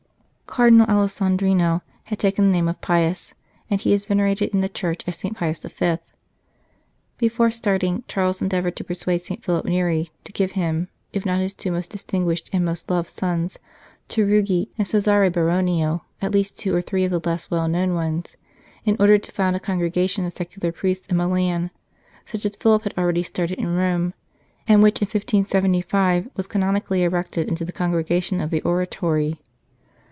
Cardinal Alessandrino had taken the name of Pius, and he is venerated in the Church as St. Pius V. Before starting, Charles endeavoured to persuade St. Philip Neri to give him, if not his two most distinguished and most loved sons, Tarugi and Cesare Baronio, at least two or three of the less well known ones, in order to found a congregation of secular priests in Milan, such as Philip had already started in Rome, and which in 1575 was canonically erected into the Congregation of the Oratory.